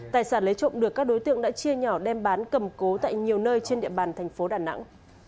tài sản lấy trộm được các đối tượng đã chia nhỏ đem bán cầm cố tại nhiều nơi trên địa bàn thành phố đà nẵng